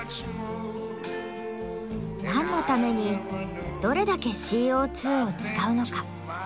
「何のためにどれだけＣＯを使うのか。